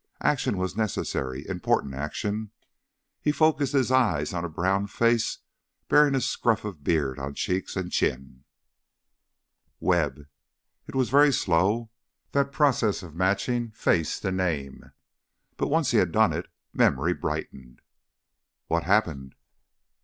Action was necessary, important action. He focused his eyes on a brown face bearing a scruff of beard on cheeks and chin. "Webb...." It was very slow, that process of matching face to name. But once he had done it, memory brightened. "What happened